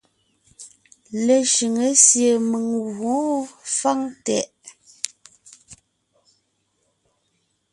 Leshʉŋé sie mèŋ gwǒon fáŋ tɛʼ.